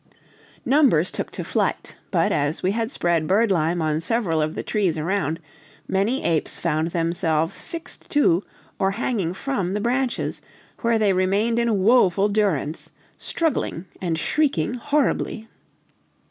Numbers took to flight; but, as we had spread birdlime on several of the trees around, many apes found themselves fixed to, or hanging from the branches, where they remained in woeful durance, struggling and shrieking horribly.